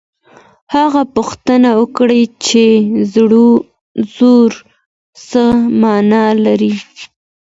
هغه پوښتنه وکړه چي زور څه مانا لري.